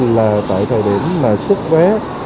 là tại thời điểm mà xuất vé